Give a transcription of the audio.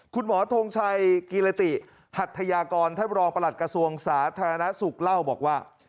ทนายทงชัยกิรติหัทยากรท่านรองประหลัดกระทรวงสาธารณสุขเล่าบอกว่า